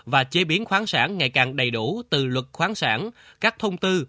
và chế biến khoáng sản ngày càng đầy đủ từ luật khoáng sản các thông tư